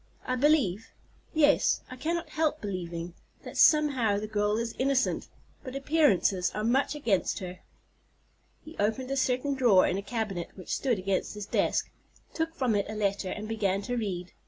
I believe—yes, I cannot help believing—that somehow the girl is innocent; but appearances are much against her." He opened a certain drawer in a cabinet which stood behind his desk, took from it a letter, and began to read.